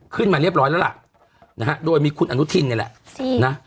ขึ้นมาเรียบร้อยแล้วล่ะนะฮะโดยมีคุณอนุทินนี่แหละสินะ